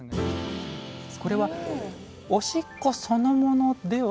これはオシッコそのものでは。